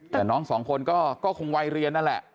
แต่น้องสองคนก็คงวัยเรียนนั่นแหละ